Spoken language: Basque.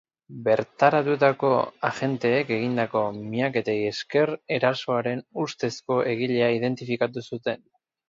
Bertaratutako agenteek egindako miaketei esker, erasoaren ustezko egilea identifikatu zuten.